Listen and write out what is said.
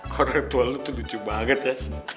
korrektual lu tuh lucu banget ya